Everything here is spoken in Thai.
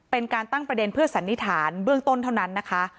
เป็นการตั้งประเด็นเพื่อสันนิษฐานเบื้องต้นเท่านั้นนะคะ